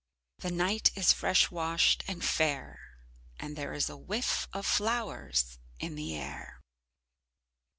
The night is fresh washed and fair and there is a whiff of flowers in the air.